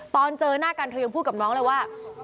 ตอนเจอหน้ากันเธอยังพูดกับน้องเลยว่า